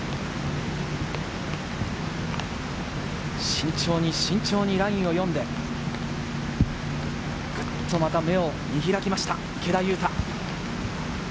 慎重に慎重にラインを読んで、グッとまた目を見開きました、池田勇太。